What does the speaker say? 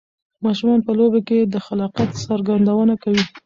ماشومان په لوبو کې د خلاقیت څرګندونه کوي.